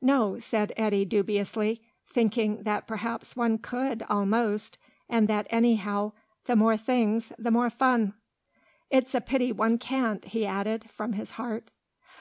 "No," said Eddy dubiously, thinking that perhaps one could, almost, and that anyhow the more things the more fun. "It's a pity one can't," he added, from his heart.